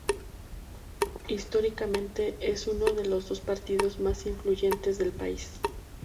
Históricamente es uno de los dos partidos más influyentes del país.